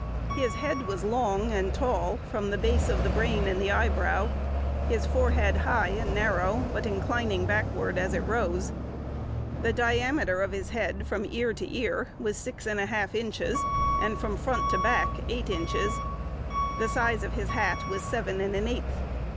His "head was long, and tall from the base of the brain and the eyebrow;" his forehead high and narrow, but inclining backward as it rose. The diameter of his head from ear to ear was six and a half inches, and from front to back eight inches. The size of his hat was seven and an eighth.